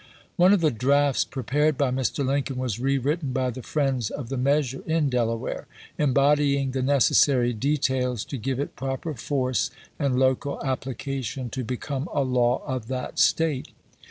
One of the drafts prepared by Mr. Lincoln was rewritten by the friends of the measure in Dela ware, embodying the necessary details to give it proper force and local application to become a law of that State.